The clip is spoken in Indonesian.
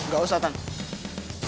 gak usah tang